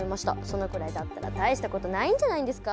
そのくらいだったら大したことないんじゃないんですか？